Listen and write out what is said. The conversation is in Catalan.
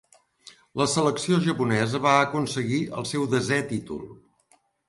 La selecció japonesa va aconseguir el seu desé títol.